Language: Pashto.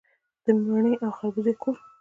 د مڼې او خربوزې کور.